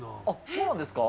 そうなんですか？